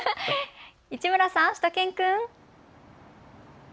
市村さん、しゅと犬くん。